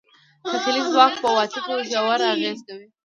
تخیلي ځواک په عواطفو ژور اغېز کوي.